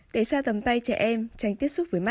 để xa tầm tay trẻ em tránh tiếp xúc với mắt